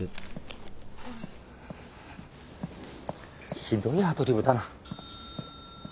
ひどいアドリブだな。